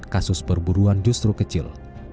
kasus perburuan justru kecil